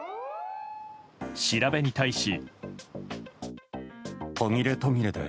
調べに対し。